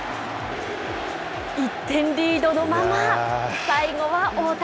１点リードのまま、最後は大谷。